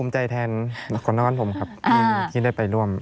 มีใจแทนคนนครปฐมที่ได้ไปร่วม